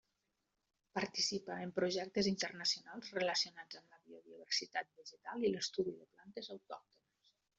Participa en projectes internacionals relacionats amb la biodiversitat vegetal i l'estudi de plantes autòctones.